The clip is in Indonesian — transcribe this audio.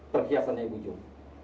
perhiasannya ibu jom